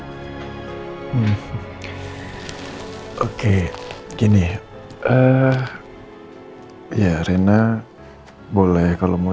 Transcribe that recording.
ya oh apa ini sama englishsta itu